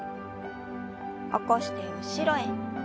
起こして後ろへ。